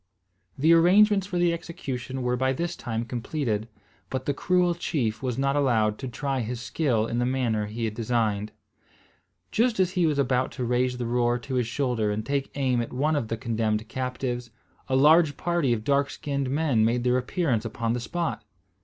The arrangements for the execution were by this time completed; but the cruel chief was not allowed to try his skill in the manner he had designed. Just as he was about to raise the roer to his shoulder and take aim at one of the condemned captives, a large party of dark skinned men made their appearance upon the spot.